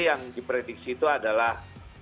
yang diprediksi itu adalah